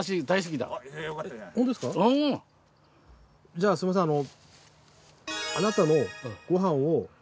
じゃあすみませんあの。